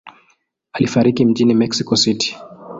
Alifariki mjini Mexico City.